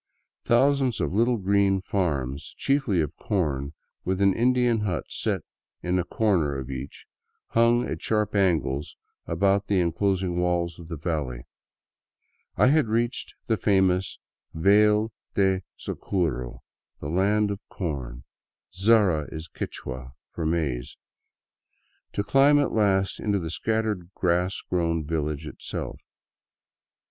Thousands of little green farms, chiefly of corn, with an Indian hut set in a corner of each, hung at sharp angles about the enclosing walls of the valley. I had reached the famous Vale of Zaraguro, the Land of Corn, — sara is Qui^hua*for maize — to climb at last into the scattered grass grown village itself.